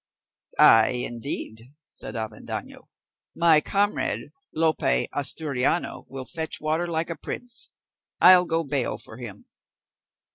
"Aye, indeed," said Avendaño, "my comrade, Lope Asturiano will fetch water like a prince, I'll go bail for him."